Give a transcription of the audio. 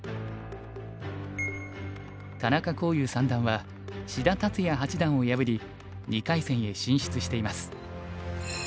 田中康湧三段は志田達哉八段を破り２回戦へ進出しています。